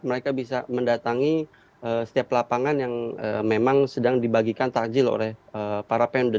mereka bisa mendatangi setiap lapangan yang memang sedang dibagikan takjil oleh para pendem